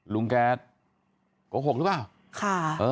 ลุงแกโกหกหรือเปล่า